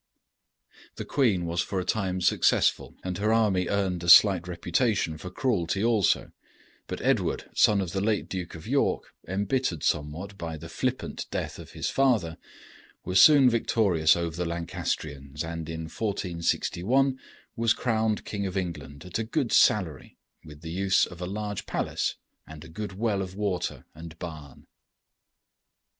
The queen was for a time successful, and her army earned a slight reputation for cruelty also; but Edward, son of the late Duke of York, embittered somewhat by the flippant death of his father, was soon victorious over the Lancastrians, and, in 1461, was crowned King of England at a good salary, with the use of a large palace and a good well of water and barn.